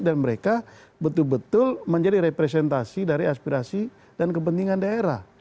dan mereka betul betul menjadi representasi dari aspirasi dan kepentingan daerah